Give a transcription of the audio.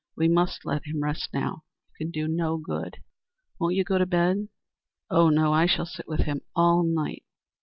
"We must let him rest now. You can do no good. Won't you go to bed?" "Oh, no. I shall sit with him all night."